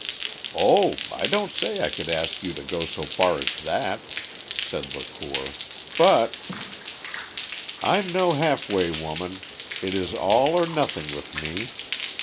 "Oh, I don't say I could ask you to go so far as that," said Lacour; "but " "I'm no halfway woman. It is all or nothing with me.